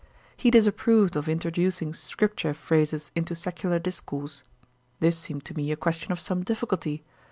He disapproved of introducing scripture phrases into secular discourse. This seemed to me a question of some difficulty.